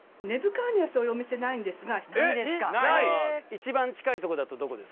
一番近いとこだとどこですか？